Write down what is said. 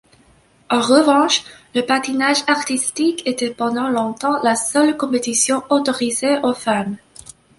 En revanche, le patinage artistique était pendant longtemps la seule compétition autorisée aux femmes.